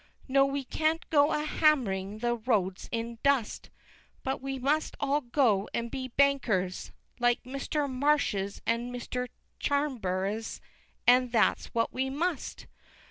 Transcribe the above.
Nor we can't go a hammering the roads into Dust, But we must all go and be Bankers, like Mr. Marshes and Mr. Charnberses, and that's what we must!